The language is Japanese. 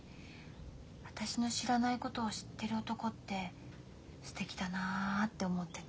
私の知らないことを知ってる男ってすてきだなって思ってた。